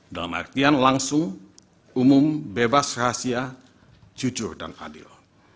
dalam artian langsung umum bebas rahasia jujur dan adil